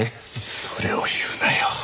それを言うなよ。